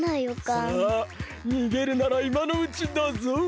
さあにげるならいまのうちだぞ。